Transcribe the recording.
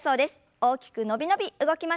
大きく伸び伸び動きましょう。